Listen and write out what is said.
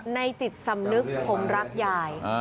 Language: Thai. จิตสำนึกผมรักยาย